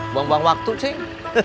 buang buang waktu ceng